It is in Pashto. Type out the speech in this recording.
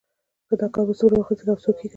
دا کار به څومره وخت ونیسي او څوک یې کوي